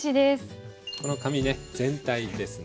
この紙ね全体ですね。